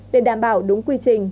để đảm bảo đúng quy trình